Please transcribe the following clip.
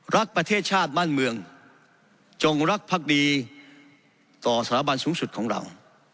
ประเทศชาติบ้านเมืองจงรักภักดีต่อสถาบันสูงสุดของเรา